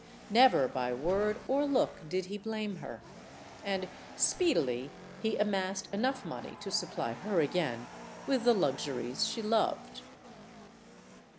Never by word or look did he blame her. And speedily he amassed enough money to supply her again with the luxuries she loved.